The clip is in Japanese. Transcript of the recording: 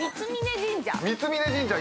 三峯神社。